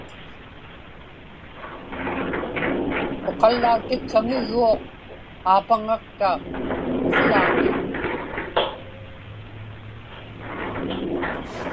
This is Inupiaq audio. Uqallautikkaŋigguuq aapaŋatta uvlaami.